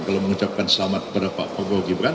kalau mengucapkan selamat kepada pak prabowo gibran